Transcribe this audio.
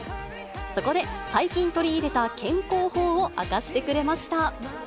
そこで、最近取り入れた健康法を明かしてくれました。